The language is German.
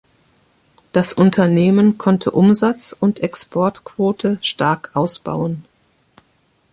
Das Unternehmen konnte Umsatz und Exportquote stark ausbauen.